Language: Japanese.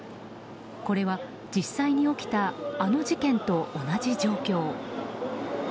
これは実際に起きたあの事件と同じ状況。